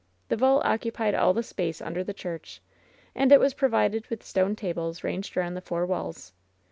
The vault occupied all the space under the church, and it was provided with stone tables ranged around the four walls.